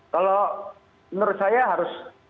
kalau menurut saya harus